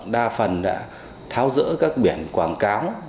đa phần đã tháo rỡ các biển quảng cáo